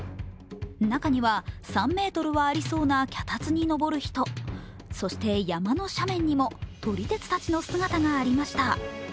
中には、３ｍはありそうな脚立に上る人、そして、山の斜面にも撮り鉄たちの姿がありました。